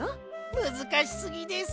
むずかしすぎです。